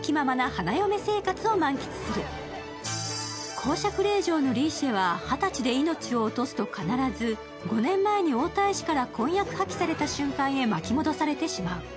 公爵令嬢のリーシェは、二十歳で命を落とすと必ず、５年前に王太子から婚約破棄された瞬間へ巻き戻されてしまう。